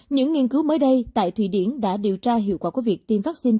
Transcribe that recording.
những nghiên cứu mới đây tại thụy điển đã điều tra hiệu quả của việc tiêm vaccine